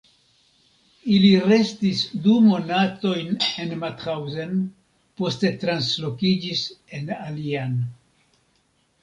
Ili restis du monatojn en Mauthausen, poste translokiĝis en alian.